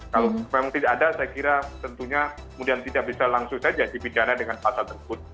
kalau memang tidak ada saya kira tentunya kemudian tidak bisa langsung saja dipidana dengan pasal tersebut